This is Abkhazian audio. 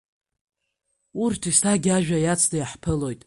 Урҭ еснагь ажәа иацны иаҳԥылоит…